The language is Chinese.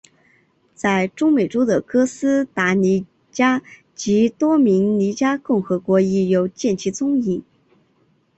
在中美洲的哥斯达尼加及多明尼加共和国亦有见其踪影。